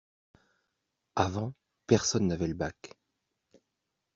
Avant, personne n’avait le bac.